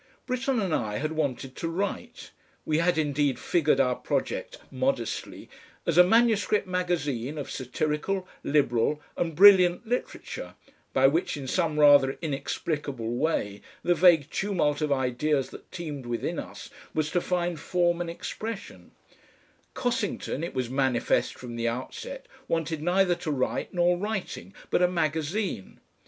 Britten and I had wanted to write. We had indeed figured our project modestly as a manuscript magazine of satirical, liberal and brilliant literature by which in some rather inexplicable way the vague tumult of ideas that teemed within us was to find form and expression; Cossington, it was manifest from the outset, wanted neither to write nor writing, but a magazine.